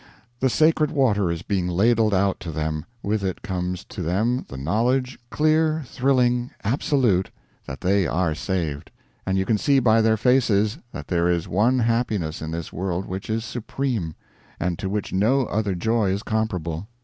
The sacred water is being ladled out to them; with it comes to them the knowledge, clear, thrilling, absolute, that they are saved; and you can see by their faces that there is one happiness in this world which is supreme, and to which no other joy is comparable.